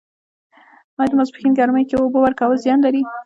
آیا د ماسپښین ګرمۍ کې اوبه ورکول زیان لري؟